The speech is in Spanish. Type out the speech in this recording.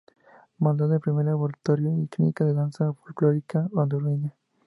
Manual del primer laboratorio y clínica de la danza folclórica Hondureña.